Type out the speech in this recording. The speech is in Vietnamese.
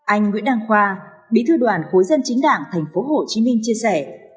anh nguyễn đăng khoa bí thư đoàn khối dân chính đảng tp hcm chia sẻ